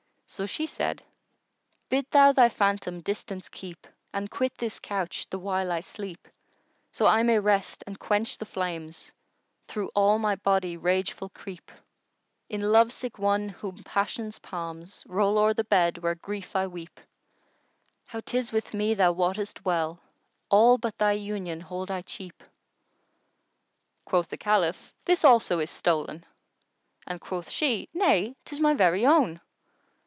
So she said, "Bid thou thy phantom distance keep * And quit this couch the while I sleep; So I may rest and quench the flames * Through all my body rageful creep, In love sick one, whom passion's palms * Roll o'er the bed where grief I weep; How 'tis with me thou wottest well; * All but thy union hold I cheap!" Quoth the Caliph, "This also is stolen"; and quoth she, "Nay, 'tis my very own."